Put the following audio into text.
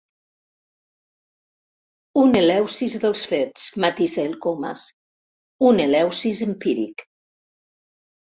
Un Eleusis dels fets —matisa el Comas—, un Eleusis empíric.